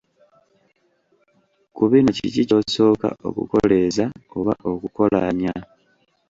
Ku bino kiki ky’osooka okukoleeza oba okukolaanya?